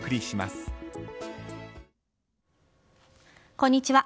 こんにちは。